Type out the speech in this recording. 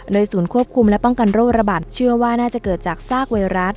ศูนย์ควบคุมและป้องกันโรคระบาดเชื่อว่าน่าจะเกิดจากซากไวรัส